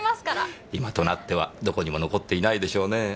今となってはどこにも残っていないでしょうねぇ。